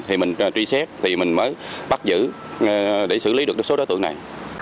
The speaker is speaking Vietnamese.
thì mình truy xét thì mình mới bắt giữ để xử lý được số đối tượng này